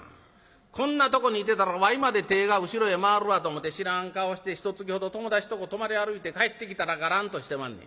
こんなとこにいてたらわいまで手ぇが後ろへ回るわと思て知らん顔してひとつきほど友達とこ泊まり歩いて帰ってきたらがらんとしてまんねや。